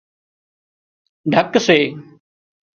ڍڪ سي